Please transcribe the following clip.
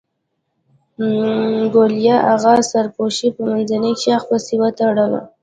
ګوليه اغه سر پوشوې په منځني شاخ پسې وتړه.